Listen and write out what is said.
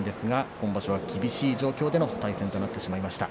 今場所は厳しい状況での対戦となりました。